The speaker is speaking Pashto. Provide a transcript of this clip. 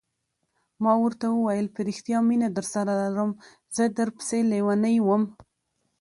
ما ورته وویل: په رښتیا مینه درسره لرم، زه در پسې لیونی وم.